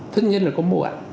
tất nhiên là có muộn